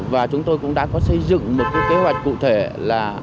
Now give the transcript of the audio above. và chúng tôi cũng đã có xây dựng một cái kế hoạch cụ thể là